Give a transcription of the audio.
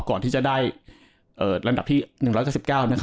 ก่อนที่จะได้ลำดับที่๑๙๙